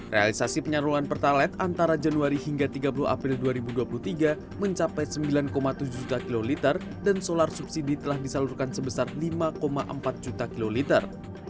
realisasi penyaluran pertalet antara januari hingga tiga puluh april dua ribu dua puluh tiga mencapai sembilan tujuh juta kiloliter dan solar subsidi telah disalurkan sebesar lima empat juta kiloliter